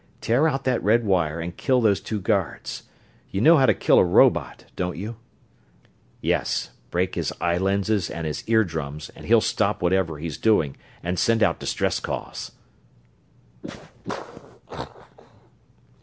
Tear out that red wire and kill those two guards. You know how to kill a robot, don't you?" "Yes break his eye lenses and his eardrums and he'll stop whatever he's doing and send out distress calls....